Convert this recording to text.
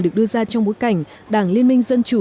được đưa ra trong bối cảnh đảng liên minh dân chủ